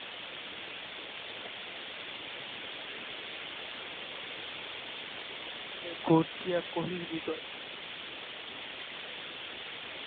সে গর্জিয়া কহিল, হৃদয়!